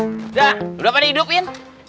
udah udah apa dihidupin